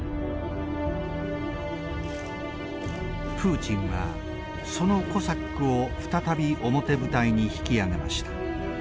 プーチンはそのコサックを再び表舞台に引き上げました。